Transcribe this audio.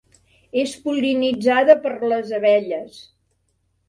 És pol·linitzada per les abelles.